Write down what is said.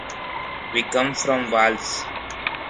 We come from Vallés.